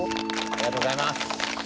ありがとうございます。